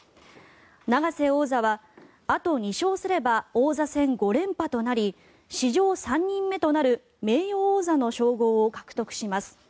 永瀬王座は、あと２勝すれば王座戦５連覇となり史上３人目となる名誉王座の称号を獲得します。